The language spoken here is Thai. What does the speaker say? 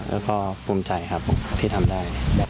แล้วก็ภูมิใจครับที่ทำได้